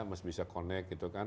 mesti bisa connect gitu kan